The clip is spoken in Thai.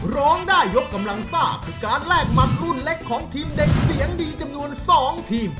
ร้องได้ยกกำลังซ่าคือการแลกหมัดรุ่นเล็กของทีมเด็กเสียงดีจำนวน๒ทีม